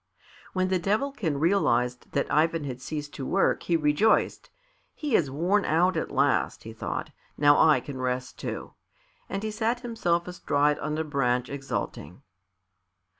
When the Devilkin realized that Ivan had ceased to work, he rejoiced. "He is worn out at last," he thought; "now I can rest too." And he sat himself astride on a branch, exulting.